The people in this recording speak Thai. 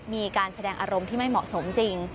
มีการแสดงอารมณ์ที่ไม่เหมาะสมจริง